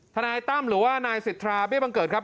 นายตั้มหรือว่านายสิทธาเบี้บังเกิดครับ